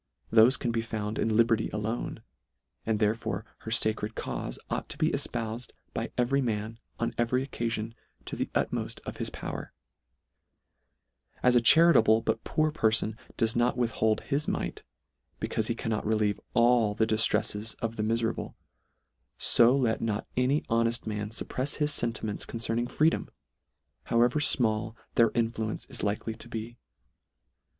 Thole can be found in liberty alone, and therefore her facred caufe ought to be efpoufed by every man, on every occalion, to the utmoft of his power : as a charitable but poor per fon does not withhold his mite, becaufe he cannot relieve all the diftreffes of the mife rable, fo let not any honeft man fupprefs his fentiments concerning freedom, however fmall their influence is likely to be.